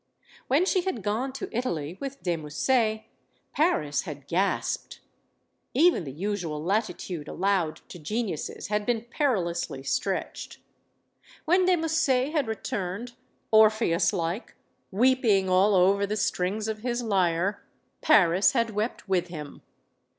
When she had gone to Italy with de Musset, Paris had gasped. Even the usual latitude allowed to geniuses had been perilously stretched. When de Musset had returned, Orpheuslike, weeping all over the strings of his lyre, Paris had wept with him.